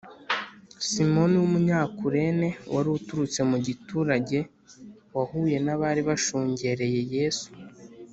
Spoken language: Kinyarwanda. simoni w’umunyakurene, wari uturutse mu giturage, wahuye n’abari bashungereye yesu